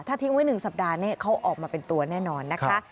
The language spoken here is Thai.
ทิ้งไว้๑สัปดาห์นี้เขาออกมาเป็นตัวแน่นอนนะคะ